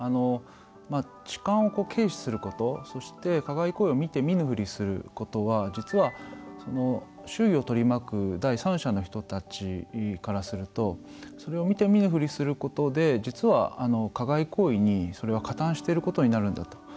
痴漢を軽視することそして、加害行為を見て見ぬふりすることは実は、周囲を取り巻く第三者の人たちからするとそれを見て見ぬふりすることで実は加害行為に、それは加担していることになるんだと。